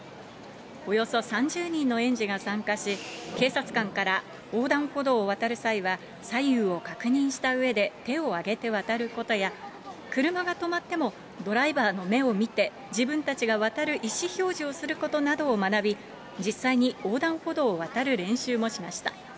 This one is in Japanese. およそ３０人の園児が参加し、警察官から横断歩道を渡る際は、左右を確認したうえで手を上げて渡ることや、車が止まっても、ドライバーの目を見て、自分たちが渡る意思表示をすることなどを学び、実際に横断歩道を渡る練習もしました。